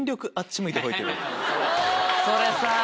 それさ。